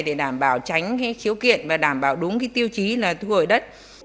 để đảm bảo tránh khiếu kiện và đảm bảo đúng tiêu chí là thu hồi đất